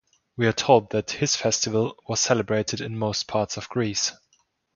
We are told that his festival was celebrated in most parts of Greece.